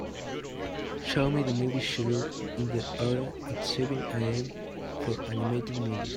show me the movie schedule in the area at seven AM for animated movies